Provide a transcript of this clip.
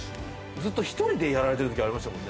ずっと１人でやられてるときありましたもんね。